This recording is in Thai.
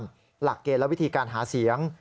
หลักเกณฑ์และวิธีการหาเสียง